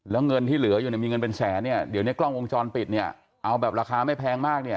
แล้วเงินที่เหลืออยู่เนี่ยมีเงินเป็นแสนเนี่ยเดี๋ยวเนี้ยกล้องวงจรปิดเนี่ยเอาแบบราคาไม่แพงมากเนี่ย